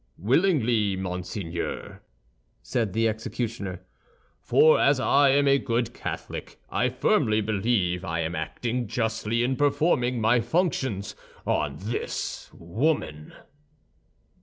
"Willingly, monseigneur," said the executioner; "for as I am a good Catholic, I firmly believe I am acting justly in performing my functions on this woman."